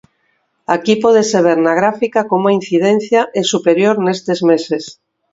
Aquí pódese ver na gráfica como a incidencia é superior nestes meses.